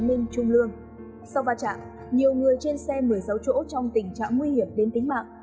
minh trung lương sau va chạm nhiều người trên xe một mươi sáu chỗ trong tình trạng nguy hiểm đến tính mạng